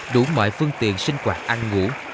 cũng mọi phương tiện sinh hoạt ăn ngủ